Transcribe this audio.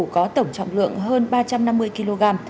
có tổng trọng lượng hơn ba trăm năm mươi kg